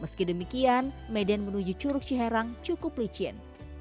meski demikian medan menuju curug ciharang cukup licin